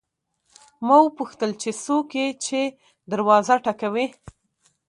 ما وپوښتل چې څوک یې چې دروازه ټکوي.